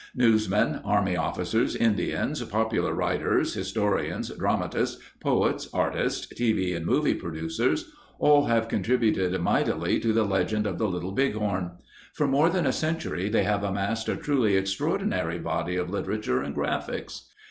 Newsmen, Army officers, Indians, popular writers, historians, dramatists, poets, artists, TV and movie producers— all have contributed mightily to the legend of the Little Bighorn. For more than a century they have amassed a truly extraordinary body of literature and graphics.